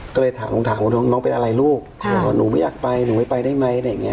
ก็เลยถามผมถามว่าน้องเป็นอะไรลูกหนูไม่อยากไปหนูไม่ไปได้ไหมอะไรอย่างนี้